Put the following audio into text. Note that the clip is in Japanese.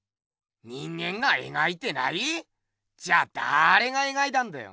人間がえがいてない⁉じゃだれがえがいたんだよ。